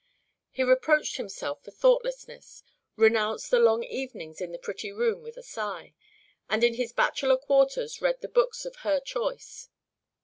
He reproached himself for thoughtlessness, renounced the long evenings in the pretty room with a sigh, and in his bachelor quarters read the books of her choice.